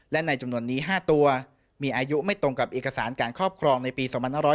และในจำนวนนี้๕ตัวมีอายุไม่ตรงกับเอกสารการครอบครองในปี๒๕๖๐